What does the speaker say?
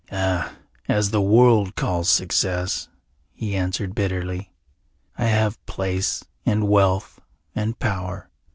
"As the world calls success," he answered bitterly. "I have place and wealth and power.